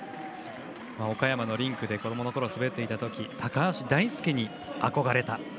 岡山のリンクで子どものころ滑っていたとき高橋大輔に憧れた。